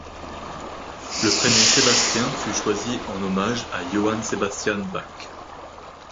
Le prénom Sébastien fut choisi en hommage à Johann Sebastian Bach.